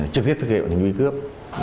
trực tiếp thực hiện bản thân huy cướp